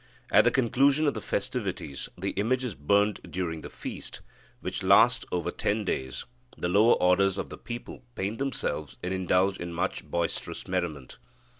At the conclusion of the festivities, the image is burnt during the feast, which last over ten days, the lower orders of the people paint themselves, and indulge in much boisterous merriment.